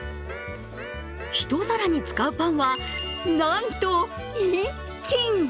１皿に使うパンは、なんと一斤。